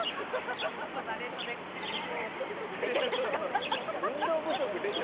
ナレーションで「運動不足で」って。